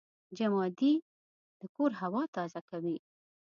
جمادې د کور هوا تازه کوي.